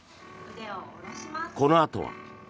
このあとは。